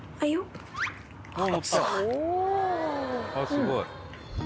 すごい。